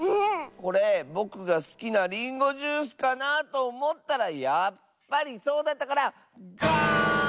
これぼくがすきなリンゴジュースかなとおもったらやっぱりそうだったからガーン！